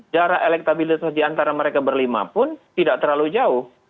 jarak elektabilitas diantara mereka berlima pun tidak terlalu jauh